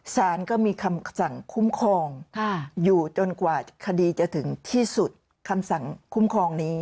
สารก็มีคำสั่งคุ้มครองอยู่จนกว่าคดีจะถึงที่สุดคำสั่งคุ้มครองนี้